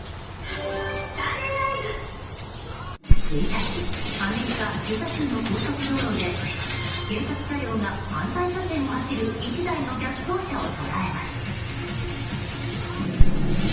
１日アメリカ・ユタ州の高速道路で警察車両が反対車線を走る１台の逆走車を捉えます。